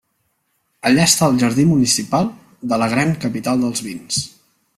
Allà està al jardí municipal de la gran capital dels vins.